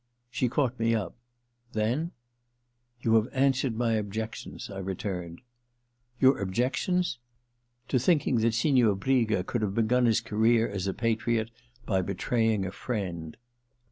She caught me up. * Then ?'* You have answered my objections,* I re turned. * Your objections ?To thinking that Signor Briga could have begun his career as a patriot by betraying a friend.'